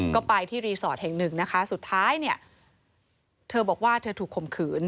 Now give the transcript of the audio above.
ก็ไปที่รีสอร์ทแห่งหนึ่งนะคะสุดท้ายเนี่ยเธอบอกว่าเธอถูกข่มขืน